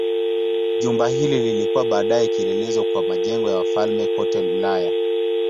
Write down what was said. Jumba hili lilikuwa baadaye kielelezo kwa majengo ya wafalme kote Ulaya.